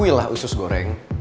akuy lah khusus goreng